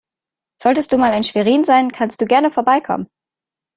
Solltest du mal in Schwerin sein, kannst du gerne vorbeikommen.